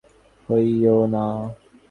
সর্বদা অন্তর্মুখী হও, কখনও বহির্মুখী হইও না।